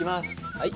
はい。